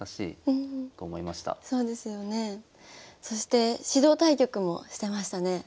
そして指導対局もしてましたね。